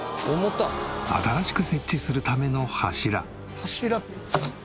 新しく設置するための柱。